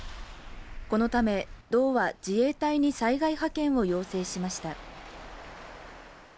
このため道は自衛隊に災害派遣を要請しました。